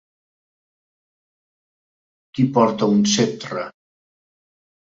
Qui porta un ceptre?